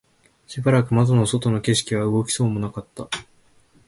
しばらく窓の外の景色は動きそうもなかった